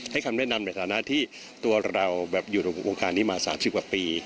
คำแนะนำในฐานะที่ตัวเราอยู่ในวงการนี้มา๓๐กว่าปี